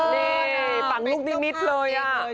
นี่ฝั่งลูกนิมิตรเลย